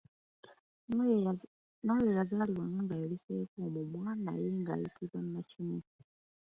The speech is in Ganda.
N'oyo eyazaalibwanga ng’ayuliseeko omumwa naye ng’ayitibwa nnakimu.